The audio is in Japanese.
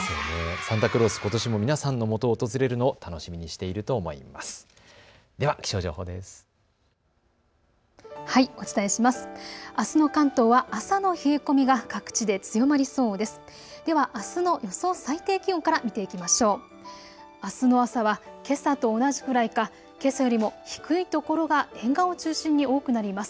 サンタクロースはことしも皆さんのもとを訪れるのを楽しみにしていると思います。